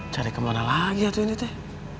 cari kemana lagi ya itu ini tuh